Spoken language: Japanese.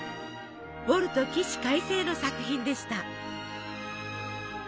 ウォルト起死回生の作品でした。